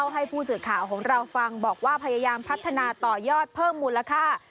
ให้ผู้สื่อข่าวของเราฟังบอกว่าพยายามพัฒนาต่อยอดเพิ่มมูลค่า